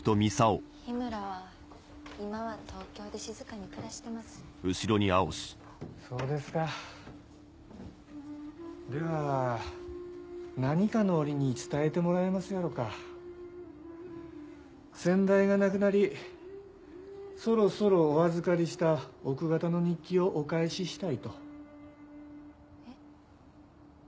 緋村は今は東京で静かに暮らしてますそうですかでは何かの折に伝えてもらえますやろ先代が亡くなりそろそろお預かりした奥方の日記をお返ししたいとえっ？